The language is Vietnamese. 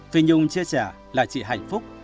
phi nhung chia trẻ là chị hạnh phúc